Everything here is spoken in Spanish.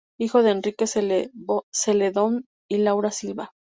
Hijo de Enrique Celedón y Laura Silva.